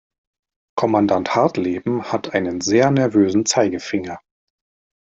Kommandant Hartleben hat einen sehr nervösen Zeigefinger.